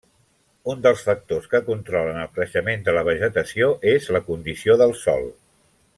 Un dels factors que controlen el creixement de la vegetació és la condició del sòl.